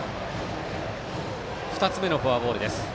２つ目のフォアボールです。